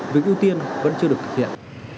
việc ưu tiên vẫn chưa được thực hiện